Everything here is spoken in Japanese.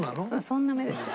そんな目ですよ。